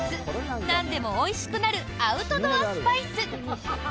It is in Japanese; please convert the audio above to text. なんでもおいしくなるアウトドアスパイス。